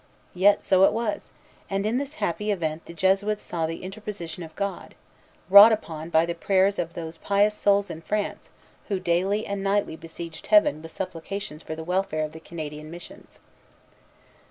Yet so it was; and in this happy event the Jesuits saw the interposition of God, wrought upon by the prayers of those pious souls in France who daily and nightly besieged Heaven with supplications for the welfare of the Canadian missions.